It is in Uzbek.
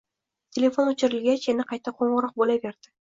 Telefon o'chirilgach yana qayta qo'ng'iroq bo'laverdi